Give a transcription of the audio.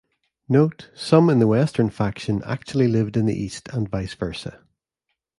Note, some in the "western" faction actually lived in the east, and vice versa.